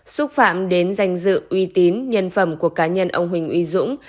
xúc phạm đến danh dự uy tín nhân phẩm của cá nhân ông huỳnh uy dũng